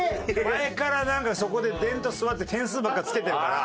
前からなんかそこででんと座って点数ばっかつけてるから。